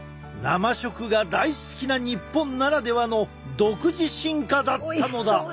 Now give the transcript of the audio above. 生食が大好きな日本ならではの独自進化だったのだ！